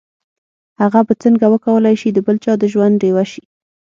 هغه به څنګه وکولای شي د بل چا د ژوند ډيوه شي.